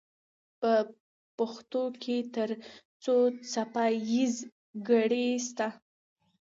په پښتو کې تر څو څپه ایزه ګړې سته؟